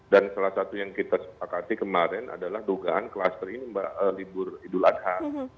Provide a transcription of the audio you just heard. dan salah satu yang kita sepakati kemarin adalah dugaan kluster ini mbak libur idul adha